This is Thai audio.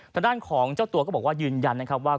ทางด้านของเจ้าตัวยืนยันว่า